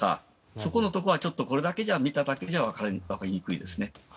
そこのところは見ただけでは分かりにくいですね。